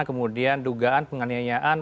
kemudian dugaan penganiayaan